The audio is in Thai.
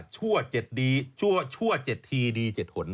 ชั่วเจ็ดดีชั่วชั่วเจ็ดธีดีเจ็ดหน